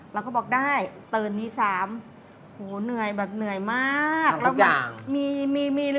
เราก็บอกได้ตื่นตีสามโหเหนื่อยแบบเหนื่อยมากทั้งทุกอย่างมีมีมี